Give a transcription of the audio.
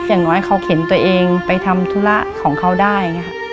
อย่างน้อยเขาเข็นตัวเองไปทำธุระของเขาได้